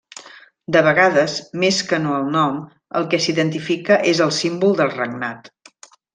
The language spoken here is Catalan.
De vegades, més que no el nom, el que s'identifica és el símbol del regnat.